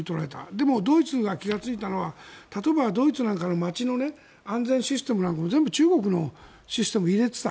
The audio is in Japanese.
でも、ドイツが気がついたのは例えばドイツの街中の安全システムなんかも全部中国のシステムを入れていた。